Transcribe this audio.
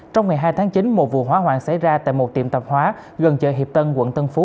trong ngày hai tháng chín một vụ hỏa hoạn xảy ra tại một tiệm tạp hóa gần chợ hiệp tân quận tân phú